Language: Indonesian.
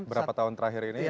berapa tahun terakhir ini